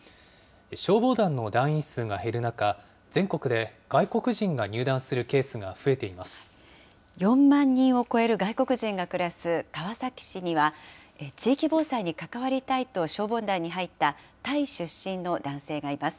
消防団の団員数が減る中、全国で外国人が入団するケースが増えて４万人を超える外国人が暮らす川崎市には、地域防災に関わりたいと消防団に入った、タイ出身の男性がいます。